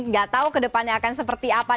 nggak tahu ke depannya akan seperti apa